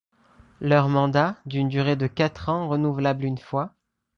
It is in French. Leur mandat, d'une durée de quatre ans renouvelable une fois.